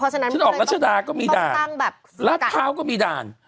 ฉันออกรัชดาก็มีด่านรัดเท้าก็มีด่าน